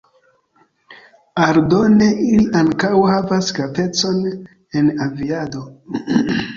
Aldone ili ankaŭ havas gravecon en aviado.